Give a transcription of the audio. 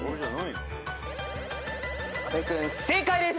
阿部君正解です。